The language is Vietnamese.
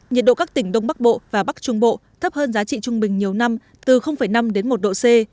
nhiệt độ các tỉnh đông bắc bộ và bắc trung bộ thấp hơn giá trị trung bình nhiều năm từ năm đến một độ c